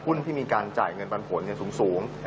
หุ้นที่มีการจ่ายเงินปันผลเงินสูง